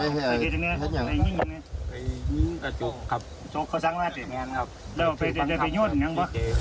แล้วเขาสั่งให้ไปแทนนึงเลย